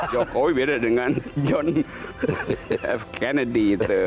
jokowi beda dengan john f kennedy itu